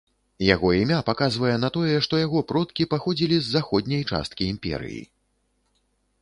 Яго імя паказвае на тое, што яго продкі паходзілі з заходняй часткі імперыі.